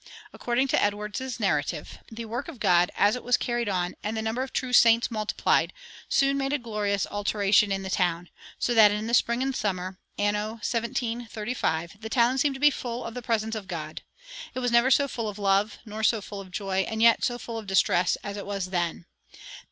According to Edwards's "Narrative": "The work of God, as it was carried on, and the number of true saints multiplied, soon made a glorious alteration in the town, so that in the spring and summer, anno 1735, the town seemed to be full of the presence of God. It was never so full of love, nor so full of joy, and yet so full of distress, as it was then.